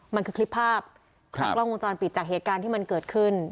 มันคือคลิปภาพจากกล้องวงจรปิดจากเหตุการณ์ที่มันเกิดขึ้น